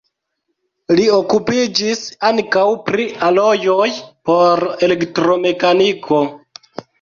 Li okupiĝis ankaŭ pri alojoj por elektrotekniko.